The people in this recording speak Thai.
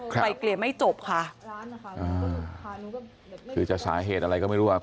ไกลเกลียร์ไม่จบค่ะคือจะสาเหตุอะไรก็ไม่รู้ว่า